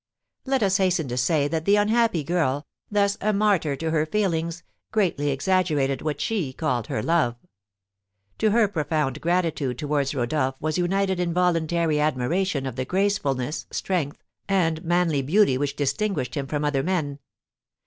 Let us hasten to say that the unhappy girl, thus a martyr to her feelings, greatly exaggerated what she called her love. To her profound gratitude towards Rodolph was united involuntary admiration of the gracefulness, strength, and manly beauty which distinguished him from other men.